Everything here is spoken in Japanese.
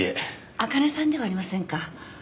あかねさんではありませんか？